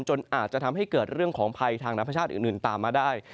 จนอาจจะทำให้เกิดเรื่องของภัยทางธรรมชาติอื่นตามมาได้